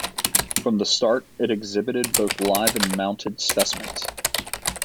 From the start it exhibited both live and mounted specimens.